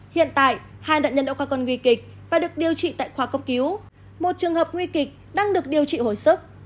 hiện tại hai đạn nhân đã qua con nguy kịch và được điều trị tại khoa cốc cứu một trường hợp nguy kịch đang được điều trị hồi sức